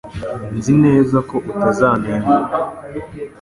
Nzi neza ko utazantenguha